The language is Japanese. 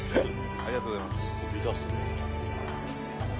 ありがとうございます。